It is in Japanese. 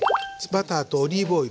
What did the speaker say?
バターとオリーブオイル。